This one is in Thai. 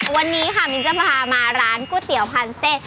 วันนี้ค่ะมิ้นจะพามาร้านก๋วยเตี๋ยวพันเซต